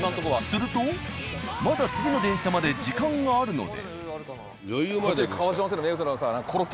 するとまだ次の電車まで時間があるので。